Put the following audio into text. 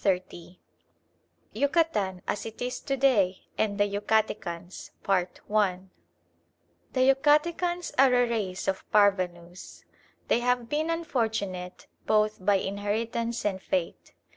CHAPTER XX YUCATAN AS IT IS TO DAY AND THE YUCATECANS The Yucatecans are a race of parvenus. They have been unfortunate both by inheritance and fate.